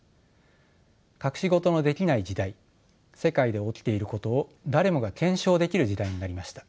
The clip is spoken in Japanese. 隠し事のできない時代世界で起きていることを誰もが検証できる時代になりました。